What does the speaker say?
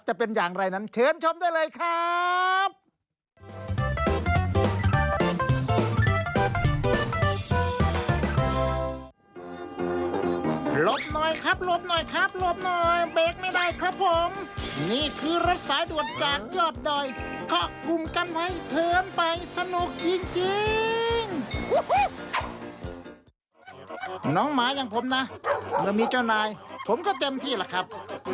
จะเป็นอย่างไรนั้นเชิญชมได้เลยครับ